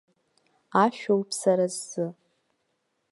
Ашәоуп сара сзы.